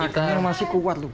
makanan masih kuat lho